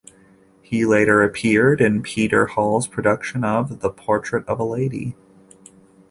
He later appeared in Peter Hall's production of "The Portrait of a Lady".